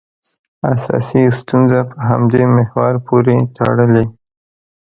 اساسي ستونزه په همدې محور پورې تړلې.